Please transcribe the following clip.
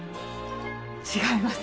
違います